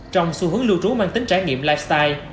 trong xu hướng lưu trú mang tính trải nghiệm lifestyle